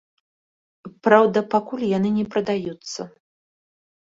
Праўда, пакуль яны не прадаюцца.